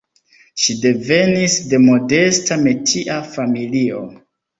Ŝi devenis de modesta metia familio.